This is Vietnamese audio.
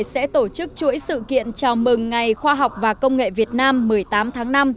sẽ tổ chức chuỗi sự kiện chào mừng ngày khoa học và công nghệ việt nam một mươi tám tháng năm